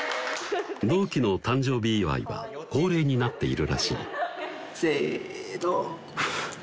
同期の誕生日祝いは恒例になっているらしいせの！